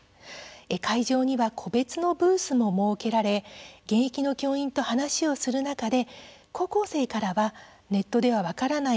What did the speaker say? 会場には個別のブースも設けられ現役の教員と話をする中で高校生からはネットでは分からない